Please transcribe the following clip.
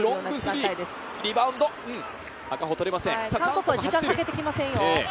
韓国は時間をかけてきませんよ。